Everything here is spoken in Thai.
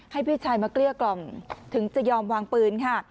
ให้พี่ชายมาเกลี้ยกล่อมถึงจะยอมวางปืนค่ะ